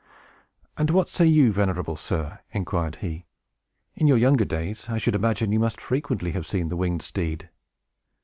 "And what say you, venerable sir?" inquired he. "In your younger days, I should imagine, you must frequently have seen the winged steed!"